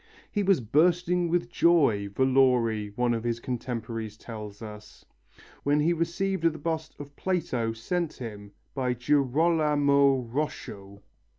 "He was bursting with joy," Valori, one of his contemporaries tells us, "when he received the bust of Plato sent him by Girolamo Roscio."